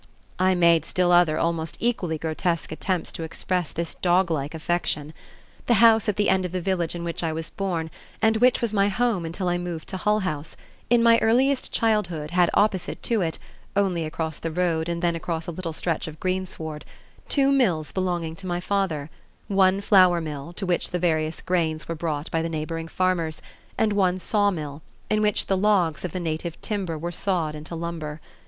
I made still other almost equally grotesque attempts to express this doglike affection. The house at the end of the village in which I was born, and which was my home until I moved to Hull House, in my earliest childhood had opposite to it only across the road and then across a little stretch of greensward two mills belonging to my father; one flour mill, to which the various grains were brought by the neighboring farmers, and one sawmill, in which the logs of the native timber were sawed into lumber.